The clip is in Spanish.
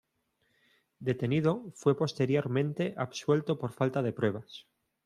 Detenido, fue posteriormente absuelto por falta de pruebas.